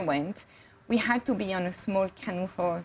kita harus berada di kawasan air kecil